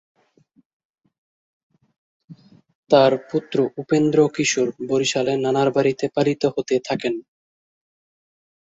তার পুত্র উপেন্দ্র কিশোর বরিশালে নানার বাড়িতে পালিত হতে থাকেন।